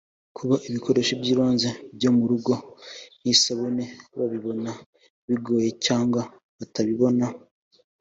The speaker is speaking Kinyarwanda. kuba ibikoresho by’ibanze byo mu rugo nk’isabune babibona bibagoye cyangwa batabibona